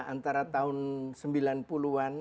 antara tahun sembilan puluh an